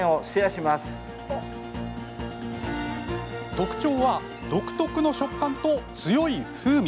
特徴は独特の食感と強い風味。